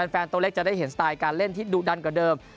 ตัวเล็กจะได้เห็นสไตล์การเล่นที่ดุดันกว่าเดิม